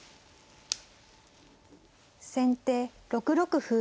先手６六歩。